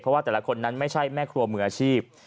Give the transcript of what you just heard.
เพราะว่าแต่ละคนนั้นไม่ใช่แม่ครัวมืออาชีพ